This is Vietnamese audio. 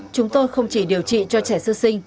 chúng tôi không chỉ điều trị cho trẻ sơ sinh